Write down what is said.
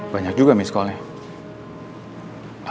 banyak juga miss call nya